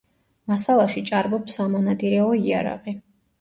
მასალაში ჭარბობს სამონადირეო იარაღი.